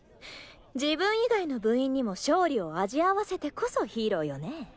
自分以外の部員にも勝利を味合わせてこそヒーローよね？